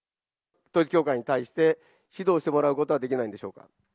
統一教会に対して、指導してもらうことはできないんでしょうか。